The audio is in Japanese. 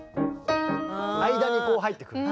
間にこう入ってくる。